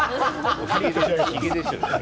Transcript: ひげでしょう。